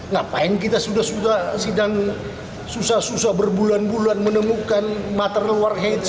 ngapain kita sudah sedang susah susah berbulan bulan menemukan material warheads